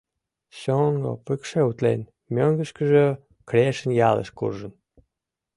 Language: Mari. Шоҥго, пыкше утлен, мӧҥгышкыжӧ, Крешын ялыш, куржын.